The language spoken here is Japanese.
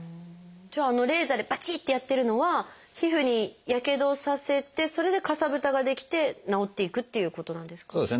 じゃああのレーザーでバチッてやってるのは皮膚にやけどをさせてそれでかさぶたが出来て治っていくっていうことなんですか？